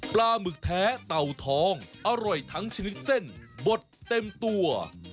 ปลาหมึกแท้เต่าทองอร่อยทั้งชนิดเส้นบดเต็มตัว